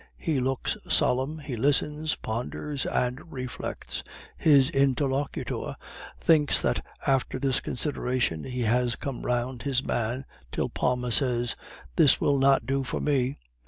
He looks solemn, he listens, ponders, and reflects; his interlocutor thinks that after this consideration he has come round his man, till Palma says, 'This will not do for me.